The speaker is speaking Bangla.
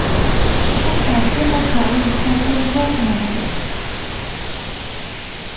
খুব কাছে কোথাও রিকশার টুনটুন শোনা গেল।